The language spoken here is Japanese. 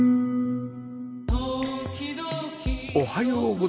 おはようございます。